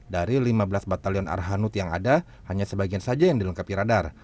dari lima belas batalion arhanut yang ada hanya sebagian saja yang dilengkapi radar